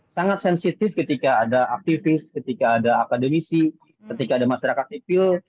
sangat sensitif ketika ada aktivis ketika ada akademisi ketika ada masyarakat sipil